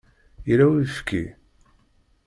Yella uyefki?